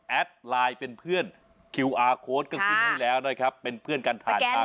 ไลน์เป็นเพื่อนคิวอาร์โค้ดก็ขึ้นให้แล้วนะครับเป็นเพื่อนกันถ่ายมา